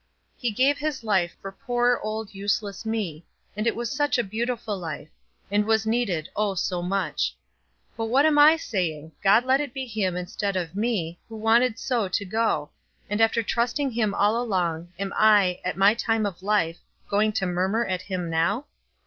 "He gave his life for poor old useless me, and it was such a beautiful life, and was needed, oh so much; but what am I saying, God let it be him instead of me, who wanted so to go and after trusting him all along, am I, at my time of life, going to murmur at him now?